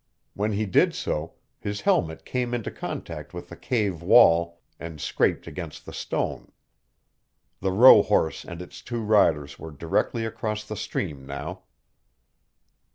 When he did so, his helmet came into contact with the cave wall and scraped against the stone. The rohorse and its two riders were directly across the stream now.